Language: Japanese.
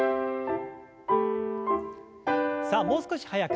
さあもう少し速く。